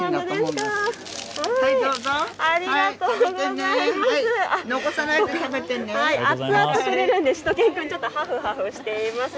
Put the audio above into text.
ありがとうございます。